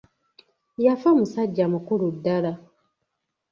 Yafa musajja mukulu ddala.